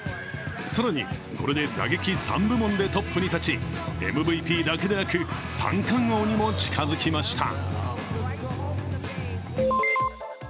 更に、これで打撃３部門でトップに立ちＭＶＰだけでなく、三冠王にも近づきました。